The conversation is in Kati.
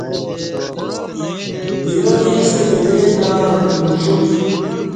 یایݩستہ بدے تہ امکی اُوشپ